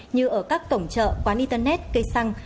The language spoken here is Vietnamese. như ở các cổng chợ quán internet cây xăng